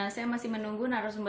saya masih menunggu